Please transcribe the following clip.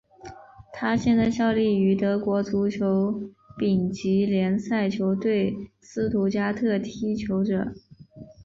他现在效力于德国足球丙级联赛球队斯图加特踢球者。